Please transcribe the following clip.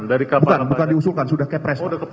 bukan bukan diusulkan sudah kepres